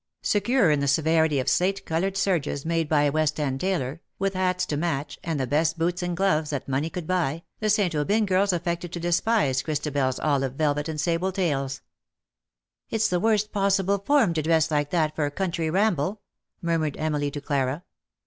Secure in the severity of slate coloured serges made by a West End tailor, with hats to match, and the best boots and gloves that money €Ould buy, the St. Aubyn girls affected to despise ChristabeFs olive velvet and sable tails. " It's the worst possible form to dress like that for a country ramble/' murmured Emily to Clara.